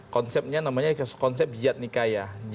konsepnya namanya konsep jihad nikayah